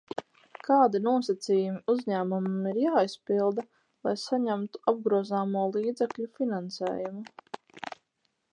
Kādi nosacījumi uzņēmumam ir jāizpilda, lai saņemtu apgrozāmo līdzekļu finansējumu?